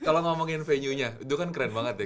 kalau ngomongin venuenya itu kan keren banget ya